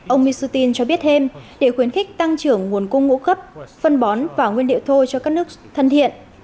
ông mishutin cho biết thêm để khuyến khích tăng trưởng nguồn cung ngũ cấp phân bón và nguyên liệu thô cho các nước thân thiện